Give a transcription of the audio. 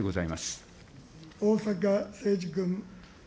逢坂誠二君。